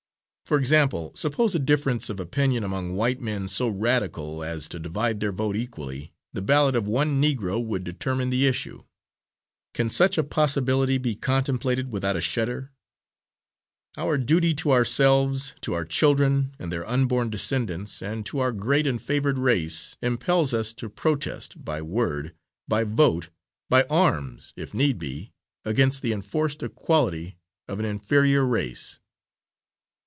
For example, suppose a difference of opinion among white men so radical as to divide their vote equally, the ballot of one Negro would determine the issue. Can such a possibility be contemplated without a shudder? Our duty to ourselves, to our children, and their unborn descendants, and to our great and favoured race, impels us to protest, by word, by vote, by arms if need be, against the enforced equality of an inferior race.